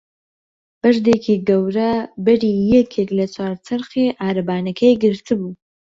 بەردێکی گەورە بەری یەکێک لە چوار چەرخی عەرەبانەکەی گرتبوو.